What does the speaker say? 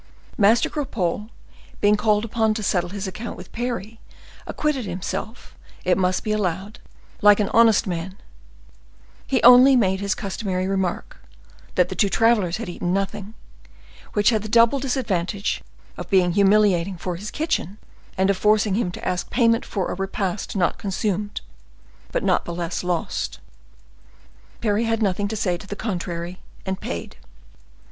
Master Cropole, being called upon to settle his account with Parry, acquitted himself, it must be allowed, like an honest man; he only made his customary remark, that the two travelers had eaten nothing, which had the double disadvantage of being humiliating for his kitchen, and of forcing him to ask payment for a repast not consumed, but not the less lost. Parry had nothing to say to the contrary, and paid.